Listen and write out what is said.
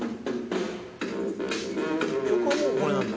「曲はもうこれなんだ」